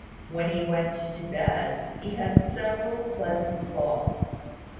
When he went to bed, he had several pleasant thoughts.